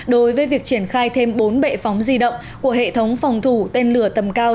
đối với việc triển khai thêm bốn bệ phóng di động của hệ thống phòng thủ tên lửa tầm cao